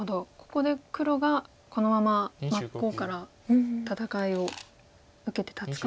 ここで黒がこのまま真っ向から戦いを受けて立つか。